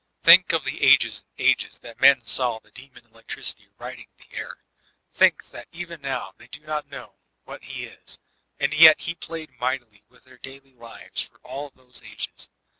Think of the Ages and Ages that men saw the Demon Electricity riding the air; think that even now they do not know what he is; and yet he played mightily with their daily lives for all those ages.